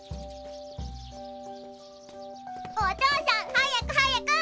お父さん早く早く！